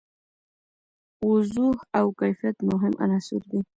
وضوح او کیفیت مهم عناصر دي.